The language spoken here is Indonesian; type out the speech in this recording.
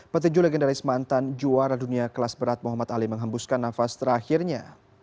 petinju legendaris mantan juara dunia kelas berat muhammad ali menghembuskan nafas terakhirnya